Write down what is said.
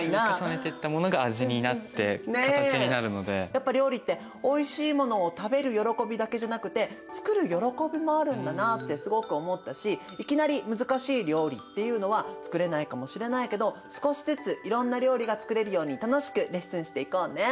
やっぱ料理っておいしいものを食べる喜びだけじゃなくて作る喜びもあるんだなってすごく思ったしいきなり難しい料理っていうのは作れないかもしれないけど少しずついろんな料理が作れるように楽しくレッスンしていこうね。